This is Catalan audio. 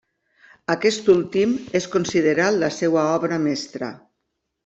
Aquest últim és considerat la seva obra mestra.